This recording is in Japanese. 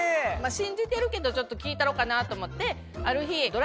信じてるけどちょっと聞いたろうかなと思って。